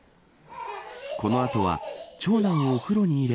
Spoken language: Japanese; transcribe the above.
この後は長男をお風呂に入れ